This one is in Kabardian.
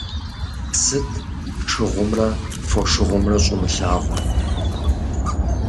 Сыт шыгъумрэ фошыгъумрэ щӀумылъагъур?